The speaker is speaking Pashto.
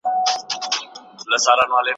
کرۍ ورځ به وه په نجونو کي خندانه